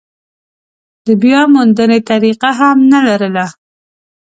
د بیاموندنې طریقه هم نه لرله.